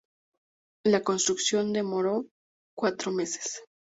La construcción demoró cuatro meses.